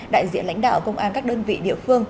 đại diện lãnh đạo công an các đơn vị địa phương